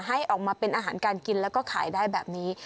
ให้ออกมาเป็นอาหารการกินแล้วก็ขายได้แบบนี้